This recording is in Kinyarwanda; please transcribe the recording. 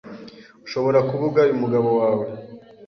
Ushobora kuba ugaya umugabo wawe